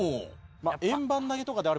円盤投げとかであればね